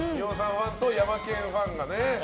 ファンとヤマケンファンがね。